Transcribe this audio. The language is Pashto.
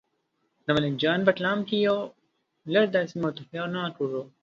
د ملنګ جان په کلام کې یو لړ داسې موتیفونه ګورو.